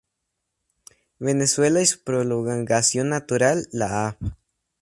Venezuela y su prolongación natural la Av.